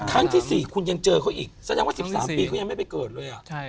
ครั้งที่๔คุณยังเจอเขาอีกแสดงว่า๑๓ปีเขายังไม่ไปเกิดเลย